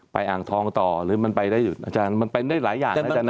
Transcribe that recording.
อ่างทองต่อหรือมันไปได้อยู่อาจารย์มันเป็นได้หลายอย่างนะอาจาร